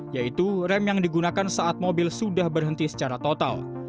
yaitu rem yang digunakan saat mobil sudah berhenti secara total